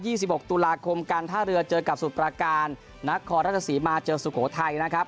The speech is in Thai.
ยี่สิบหกตุลาคมการท่าเรือเจอกับสุพันธ์ประการนักคอรัฐศรีมาเจอสุโขทัยนะครับ